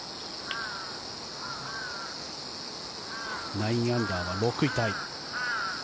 ９アンダーは６位タイ。